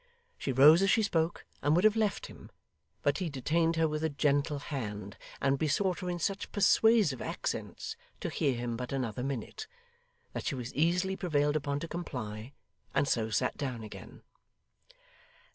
She rose as she spoke, and would have left him; but he detained her with a gentle hand, and besought her in such persuasive accents to hear him but another minute, that she was easily prevailed upon to comply, and so sat down again.